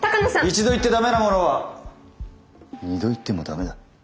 一度行って駄目なものは二度行っても駄目だ。